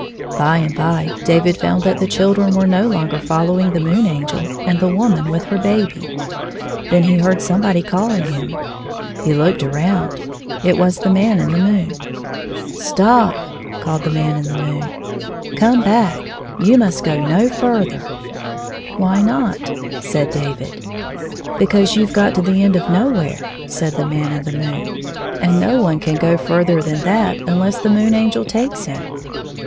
By and by David found that the children were no longer following the Moon Angel and the woman with her baby. Then he heard somebody calling him. He looked around ; it was the Man in the moon. "Stop!" called the Man in the moon. " Come back ! You must go no ftirther," 53 " Why not 1 '' said David. " Because you Ve got to the end of nowhere," said the Man in the moon, " and no one can go ftir ther than that unless the Moon Angel takes him."